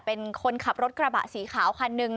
เป็นคนขับรถกระบะสีขาวคันหนึ่ง